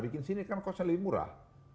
bikin di sini kan costnya lebih murah